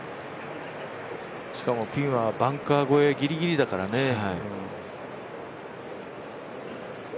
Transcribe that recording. しかもピンはバンカー越えぎりぎりだからね。